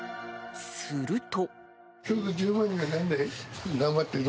すると。